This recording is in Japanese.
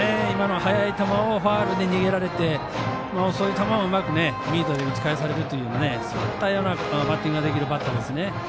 今の速い球をファウルで逃げられて遅い球をうまくミートで打ち返されるというそういったバッティングができるバッターですね。